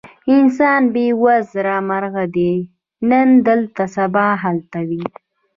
انسان بې وزرو مرغه دی، نن دلته سبا هلته وي.